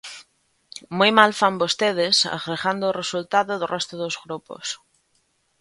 Moi mal fan vostedes agregando o resultado do resto dos grupos.